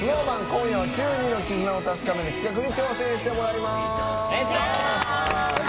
今夜は９人の絆を確かめる企画に挑戦してもらいます。